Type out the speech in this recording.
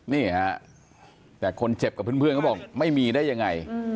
นี่ฮะแต่คนเจ็บกับเพื่อนเขาบอกไม่มีได้ยังไง